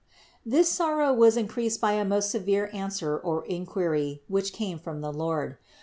15. This sorrow was increased by a most severe answer or inquiry, which came from the Lord.